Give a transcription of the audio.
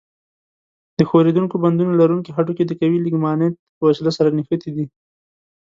د ښورېدونکو بندونو لرونکي هډوکي د قوي لیګامنت په وسیله سره نښتي دي.